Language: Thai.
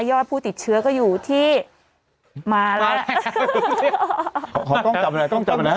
ยอดผู้ติดเชื้อก็อยู่ที่มาแล้วขอต้องจับไหนต้องจับไหน